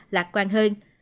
lạc quan hơn